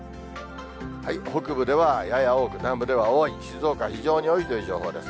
北部ではやや多く、南部では多い、静岡は非常に多いという情報です。